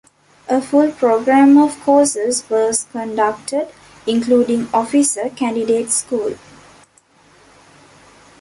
A full program of courses was conducted, including Officer Candidate School.